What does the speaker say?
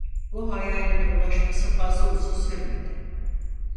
Bu hayaline ulaşması fazla uzun sürmedi.